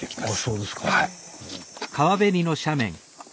そうですか。